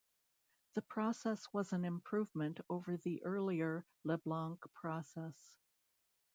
The process was an improvement over the earlier Leblanc process.